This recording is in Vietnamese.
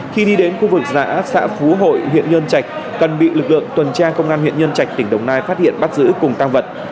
khi đi đến khu vực giã xã phú hội huyện nhân trạch cần bị lực lượng tuần tra công an huyện nhân trạch tỉnh đồng nai phát hiện bắt giữ cùng tăng vật